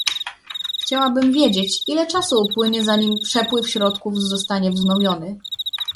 Chciałabym wiedzieć, ile czasu upłynie zanim przepływ środków zostanie wznowiony ?